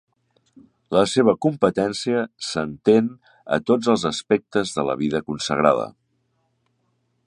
La seva competència s'estén a tots els aspectes de la vida consagrada.